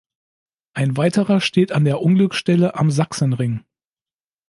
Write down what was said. Ein weiterer steht an der Unglücksstelle am Sachsenring.